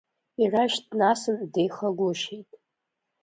Ирашь днасын, деихагәышьеит…